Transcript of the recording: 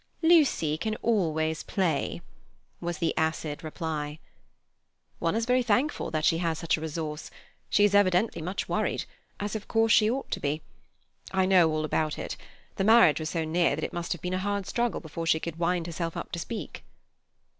"Lucy can always play," was the acid reply. "One is very thankful that she has such a resource. She is evidently much worried, as, of course, she ought to be. I know all about it. The marriage was so near that it must have been a hard struggle before she could wind herself up to speak."